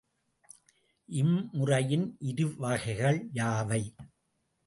இம்முறையின் இருவகைகள் யாவை?